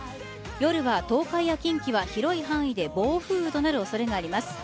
夜は、東海や近畿は広い範囲で暴風雨となる恐れがあります。